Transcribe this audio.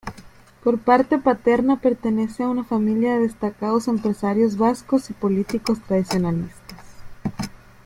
Por parte paterna pertenece a una familia de destacados empresarios vascos y políticos tradicionalistas.